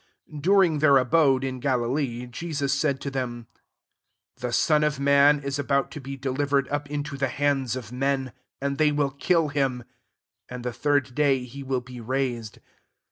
*']♦ £2 During their abode in Ga lilee, Jesus said to them, " The Son of man is about to be de livered up into the hands of men ; 23 and they will kill him, and the third day he will be raised."